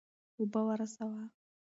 اوبه ورسوه.